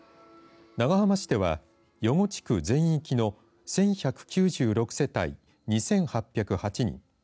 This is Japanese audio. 長浜市では、余呉地区全域の１１９６世帯、２８０８人。